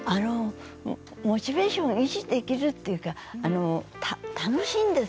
モチベーションを維持できるというか楽しいんです。